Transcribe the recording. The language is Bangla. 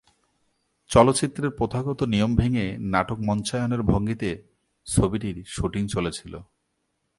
চলচ্চিত্রের প্রথাগত নিয়ম ভেঙে নাটক মঞ্চায়নের ভঙ্গিতে ছবিটির শ্যুটিং চলেছিল।